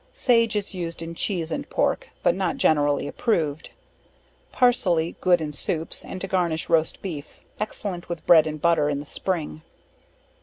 Sage, is used in Cheese and Pork, but not generally approved. Parsley, good in soups, and to garnish roast Beef, excellent with bread and butter in the spring.